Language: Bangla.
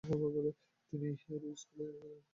তিনি হ্যারো স্কুলে প্রশিক্ষণের কাজে অংশ নেন।